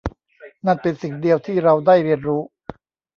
นั่นเป็นสิ่งเดียวที่เราได้เรียนรู้